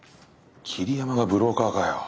桐山がブローカーかよ。